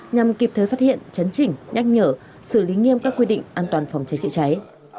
nhằm kịp thời phát hiện chấn chỉnh nhắc nhở xử lý nghiêm các quy định an toàn phòng cháy chữa cháy